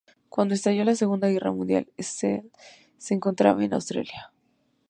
Cuando estalló la Segunda Guerra Mundial, Szell se encontraba en Australia.